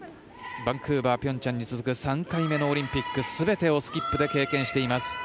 バンクーバー、ピョンチャンに続く３回目のオリンピックすべてをスキップで経験しています。